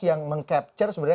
yang meng capture sebenarnya